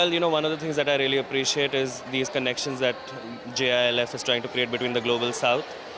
yang saya sangat menghargai adalah hubungan jilf dengan global south